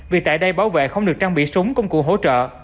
vì tại đây bảo vệ không được trang bị súng công cụ hỗ trợ